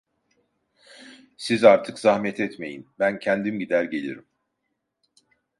Siz artık zahmet etmeyin, ben kendim gider gelirim.